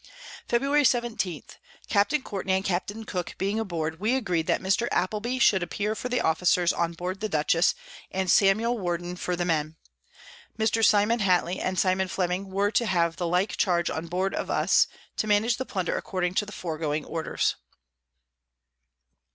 Febr. 17. Capt. Courtney and Capt. Cooke being aboard, we agreed that Mr. Appleby should appear for the Officers on board the Dutchess, and Samuel Worden for the Men: Mr. Simon Hatley and Simon Fleming were to have the like Charge on board of us, to manage the Plunder according to the foregoing Orders.